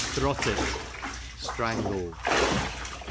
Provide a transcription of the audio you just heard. Throttlt', strangled.